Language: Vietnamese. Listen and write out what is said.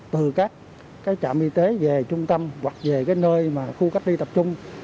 từ các trạm y tế về trung tâm hoặc về nơi khu cách đi tập trung